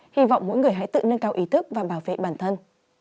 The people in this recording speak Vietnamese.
hy vọng mỗi người hãy tự nâng cao ý thức và bảo vệ bản thân